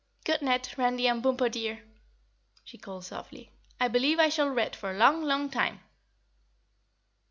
"Good net, Randy and Bumpo, dear!" she called softly. "I believe I shall ret for a long, long time."